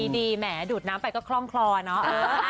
แหมดูดน้ำไปก็คล่องคลอเนอะ